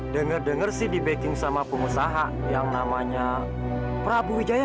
dengar dengar sih di backing sama pengusaha yang namanya prabu wijaya